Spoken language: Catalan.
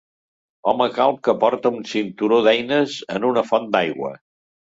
Home calb que porta un cinturó d'eines en una font d'aigua.